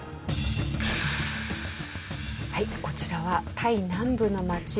はいこちらはタイ南部の街。